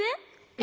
え？